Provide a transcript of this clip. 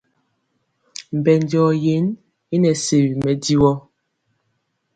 Mbɛnjɔ yen i nɛ sewi mɛdivɔ.